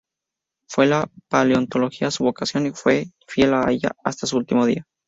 Fue la paleontología su vocación y fue fiel a ella hasta su último día.